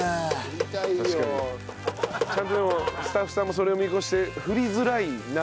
ちゃんとでもスタッフさんもそれを見越して振りづらい鍋。